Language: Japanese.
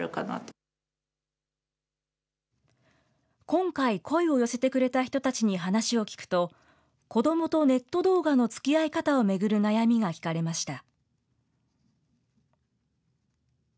今回、声を寄せてくれた人たちに話を聞くと、子どもとネット動画のつきあい方を巡る悩みが聞かれました。